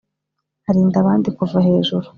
arinda abandi kuva hejuru,